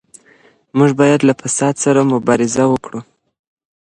موږ بايد له فساد سره مبارزه وکړو.